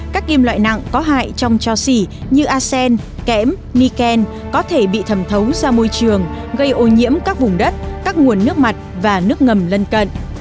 các kim loại nặng có hại trong cho xỉ như asen kẽm nikken có thể bị thẩm thấu ra môi trường gây ô nhiễm các vùng đất các nguồn nước mặt và nước ngầm lân cận